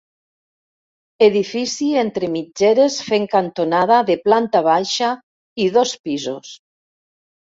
Edifici entre mitgeres fent cantonada de planta baixa i dos pisos.